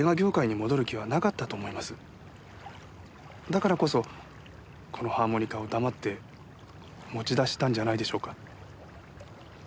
だからこそこのハーモニカを黙って持ち出したんじゃないでしょうか？